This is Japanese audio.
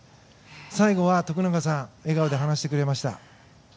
最後は徳永さん笑顔で話してくれました。